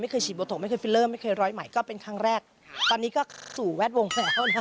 เคยฉีดโบตกไม่เคยฟิลเลอร์ไม่เคยร้อยใหม่ก็เป็นครั้งแรกตอนนี้ก็สู่แวดวง